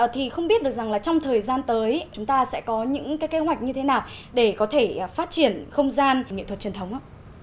thì không biết được rằng là trong thời gian tới chúng ta sẽ có những cái kế hoạch như thế nào để có thể phát triển không gian nghệ thuật truyền thống ạ